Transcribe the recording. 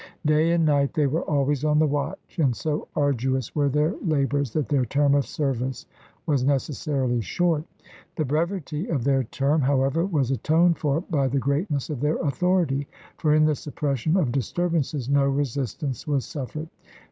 Day and night they were always on the watch, and so arduous were their labors that their term of service was necessarily short. The brevity of their term, however, was atoned for by the greatness of their authority, for in the suppression of disturbances no resistance was suffered.